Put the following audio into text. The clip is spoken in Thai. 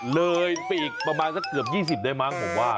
เลยปีประมาณสักเกือบยี่สิบได้มั้งผมว่า